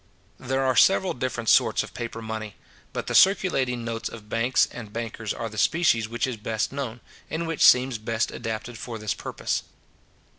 There are several different sorts of paper money; but the circulating notes of banks and bankers are the species which is best known, and which seems best adapted for this purpose.